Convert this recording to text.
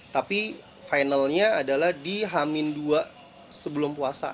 tapi finalnya adalah di hamin dua sebelum puasa